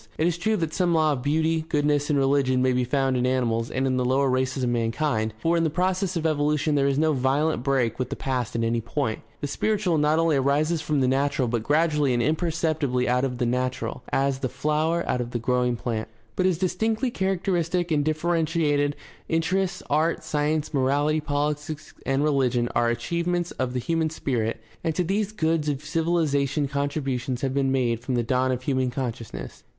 It is true that some law of beauty, goodness, and religion may be found in animals and in the lower races of mankind, for in the process of evolution there is no violent break with the past at any point. The spiritual not only arises after the natural but gradually and imperceptibly out of the natural, as the flower out of the growing plant. But as dis tinctly characteristic and differentiated interests, art, science, morality, politics, and rehgion are achievements of the human spirit, and to these goods of civilization contributions have been made from the dawn of human consciousness.